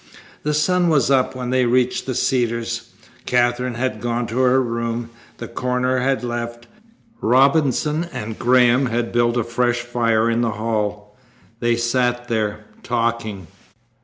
The sun was up when they reached the Cedars. Katherine had gone to her room. The coroner had left. Robinson and Graham had built a fresh fire in the hall. They sat there, talking.